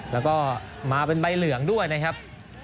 แล้วก็มาเป็นใบเหลืองด้วยนะครับ